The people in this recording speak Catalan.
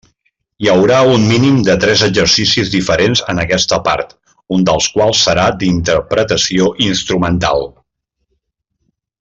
Hi haurà un mínim de tres exercicis diferents en aquesta part, un dels quals serà d'interpretació instrumental.